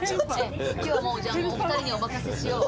今日はもうじゃあお二人にお任せしよう。